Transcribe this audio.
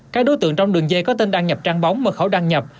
các đối tượng trong đường dây có tên đăng nhập trang bóng mật khẩu đăng nhập